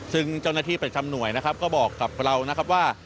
ซึ่งเจ้าหน้าที่ประจำหน่วยนะครับก็บอกกับเรานะครับว่า